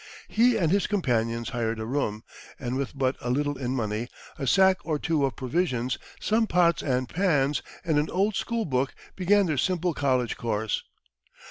He and his companions hired a room, and with but a little in money, a sack or two of provisions, some pots and pans, and an old school book, began their simple college course.